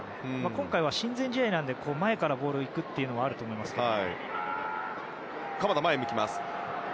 今回は親善試合なので前からボールが行くというのもあると思いますから。